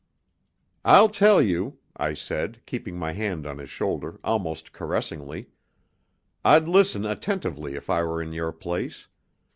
"I'll tell you," I said, keeping my hand on his shoulder, almost caressingly. "I'd listen attentively, if I were in your place.